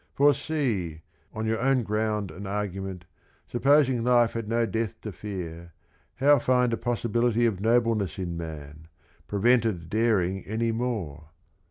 For see, on your own ground and argument, Suppose life had no death to fear, how find A possibility of nobleness In man, prevented daring any more?